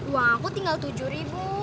uang aku tinggal tujuh ribu